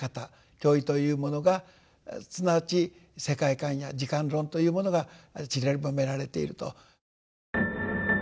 経意というものがすなわち世界観や時間論というものがちりばめられていると。